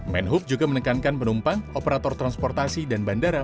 menhub juga menekankan penumpang operator transportasi dan bandara